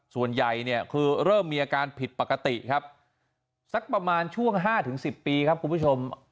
ส่วนใหญ่เนี่ยคือเริ่มมีอาการผิดปกติครับสักประมาณช่วง๕๑๐ปีครับคุณผู้ชม